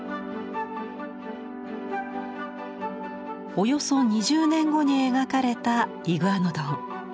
およそ２０年後に描かれたイグアノドン。